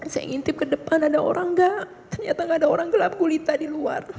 saya ngintip ke depan ternyata gak ada orang gelap gulita di luar